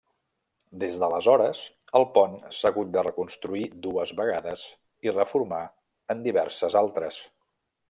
Des d'aleshores, el pont s'ha hagut de reconstruir dues vegades i reformar en diverses altres.